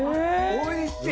おいしい！